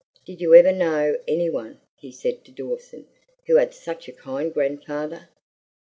"Did you ever know any one," he said to Dawson, "who had such a kind grandfather!"